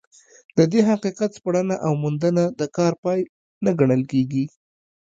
د دې حقیقت سپړنه او موندنه د کار پای نه ګڼل کېږي.